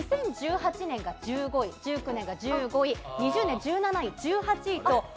２０１８年が１５位、１９年が１５位、２０年１７位、１８位と。